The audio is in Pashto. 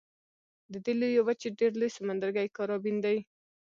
د دې لویې وچې ډېر لوی سمندرګی کارابین دی.